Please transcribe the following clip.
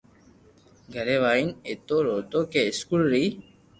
گھري وائيين ايتو روتو ڪي اسڪول ري